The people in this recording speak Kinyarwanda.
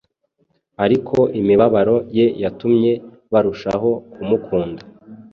ariko imibabaro ye yatumye barushaho kumukunda.